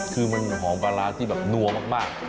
คือมันหอมปลาร้าที่แบบนัวมาก